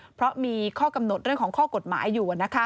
เพราะมีข้อกำหนดเรื่องของข้อกฎหมายอยู่